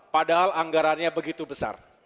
padahal anggarannya begitu besar